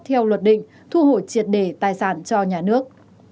theo luật định thu hồi triệt đề tài sản cho nhà nước